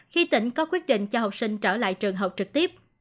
khi tỉnh có quyết định cho học sinh trở lại trường học trực tiếp